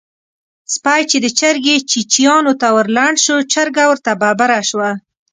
سپی چې د چرګې چیچيانو ته ورلنډ شو؛ چرګه ورته ببره شوه.